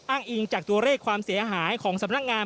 อ้างอิงจากตัวเลขความเสียหายของสำนักงาน